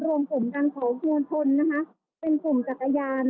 คุณก็จำแด้วนะคะอบชื่อแยกอยู่ด้านซื้อจาคัลฟัง